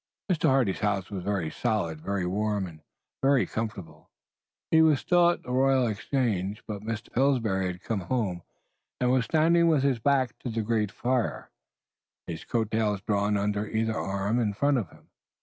Mr. Hardy's house was very solid, very warm and very comfortable. He was still at the Royal Exchange, but Mr. Pillsbury had come home, and was standing with his back to a great fire, his coattails drawn under either arm in front of him.